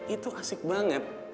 itu asik banget